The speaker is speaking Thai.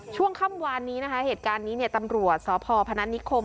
ช่วงค่ำวานนี้นะคะเหตุการณ์นี้เนี่ยตำรวจสพพนัทนิคม